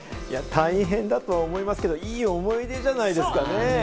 大変だと思いますけど、いい思い出じゃないですかね。